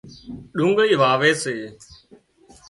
ڏوڳۯي واوي سي